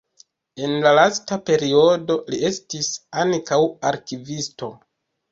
En la lasta periodo li estis ankaŭ arkivisto.